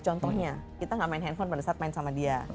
contohnya kita gak main handphone pada saat main sama dia